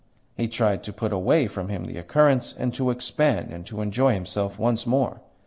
He tried to put away from him the occurrence, and to expand, and to enjoy himself once more.